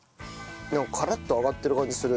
でもカラッと揚がってる感じする。